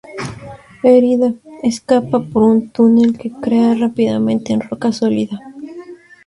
Herida, escapa por un túnel que crea rápidamente en roca sólida.